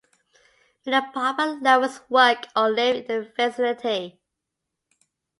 Many Baba lovers work or live in the vicinity.